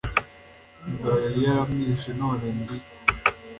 inzara yari yaramwishe none ndi